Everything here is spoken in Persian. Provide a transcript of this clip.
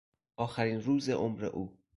آخرین روز عمر او